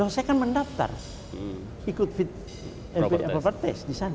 saya kan mendaftar ikut propertis di sana